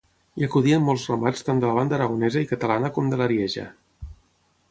Hi acudien molts ramats tant de la banda aragonesa i catalana com de l'Arieja.